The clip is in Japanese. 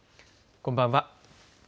こんばんは。